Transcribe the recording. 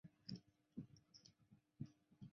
卢津定理是实分析的定理。